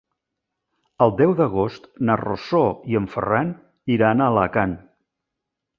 El deu d'agost na Rosó i en Ferran iran a Alacant.